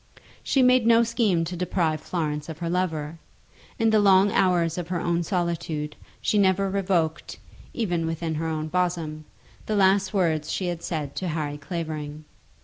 She made no scheme to deprive Florence of her lover. In the long hours of her own solitude she never revoked, even within her own bosom, the last words she had said to Harry Clavering.